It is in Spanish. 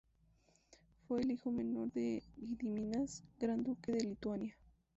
Fue el hijo menor de Gediminas, Gran Duque de Lituania.